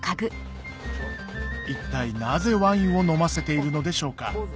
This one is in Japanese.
一体なぜワインを飲ませているのでしょうか？